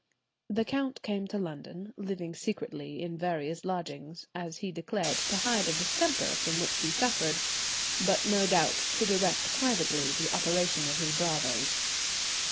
The count came to London, living secretly in various lodgings, as he declared to hide a distemper from which he suffered, but no doubt to direct privately the operations of his bravoes.